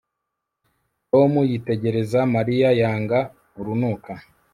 Tom yitegereza Mariya yanga urunuka